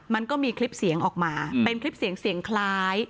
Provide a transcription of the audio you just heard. มันก็มีคลิปเสียงออกมาเป็นคลิปเสียงเสียงคล้าย